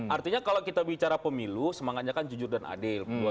artinya kalau kita bicara pemilu semangatnya kan jujur dan adil